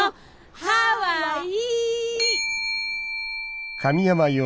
ハワイ！